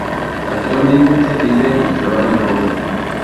Actualmente vive y trabaja en Roma.